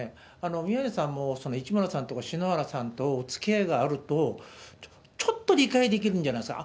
宮根さんも、市村さんとか篠原さんとおつきあいがあると、ちょっと理解できるんじゃないですか。